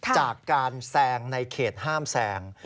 จากการแซงในเขตห้ามแซง